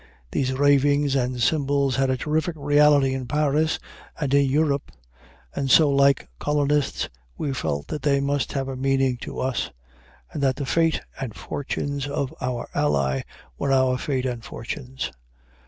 These ravings and symbols had a terrific reality in Paris and in Europe, and so, like colonists, we felt that they must have a meaning to us, and that the fate and fortunes of our ally were our fate and fortunes.